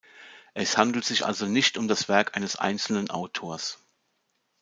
Es handelt sich also nicht um das Werk eines einzelnen Autors.